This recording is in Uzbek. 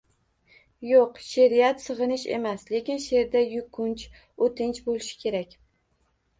Yoʻq, sheʼriyat sigʻinish emas, lekin sheʼrda yukunch, oʻtinch boʻlishi kerak